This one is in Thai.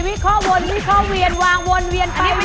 วิเคราะห์วนวิเคราะห์เวียนวางวนเวียนอันนี้ไม่